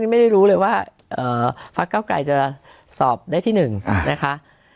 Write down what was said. ไม่รู้เลยว่าภาคเก้ากายจะสอบได้ที่๑ค่ะ